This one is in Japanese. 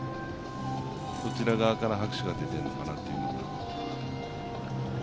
どちら側から拍手が出ているのかなと。